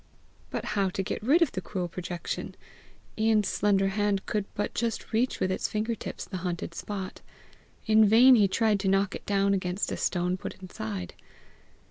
But how to get rid of the cruel projection! Ian's slender hand could but just reach with its finger tips the haunted spot. In vain he tried to knock it down against a stone put inside.